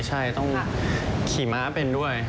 ใช่ต้องขี่ม้าเป็นด้วย